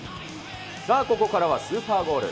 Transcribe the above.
さあ、ここからはスーパーゴール。